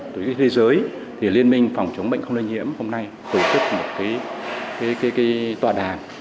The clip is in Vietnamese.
tổ chức thế giới liên minh phòng chống bệnh không lây nhiễm hôm nay tổ chức một tòa đàm